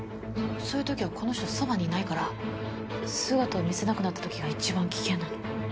そういう時はこの人そばにいないから姿を見せなくなった時が一番危険なの。